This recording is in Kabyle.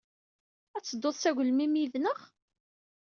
Ad tedduḍ s agelmim yid-nneɣ?